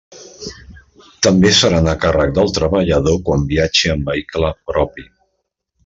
També seran a càrrec del treballador quan viatgi en vehicle propi.